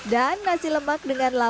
dan nasi lemak dengan laksa